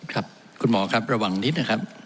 ครับคุณหมอครับระวังนิดนะครับ